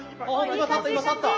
今立った今立った！